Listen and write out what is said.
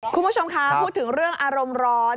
คุณผู้ชมคะพูดถึงเรื่องอารมณ์ร้อน